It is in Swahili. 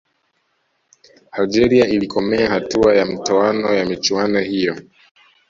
algeria ilikomea hatua ya mtoano ya michuano hiyo